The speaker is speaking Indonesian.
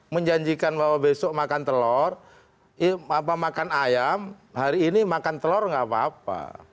menjanjikan bahwa besok makan telur makan ayam hari ini makan telur nggak apa apa